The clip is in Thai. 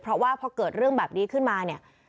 เพราะว่าพอเกิดเรื่องแบบนี้ขึ้นมาเนี่ย